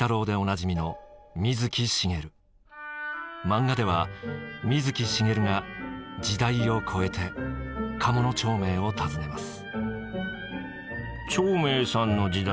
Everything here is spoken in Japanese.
漫画では水木しげるが時代を超えて鴨長明を訪ねます。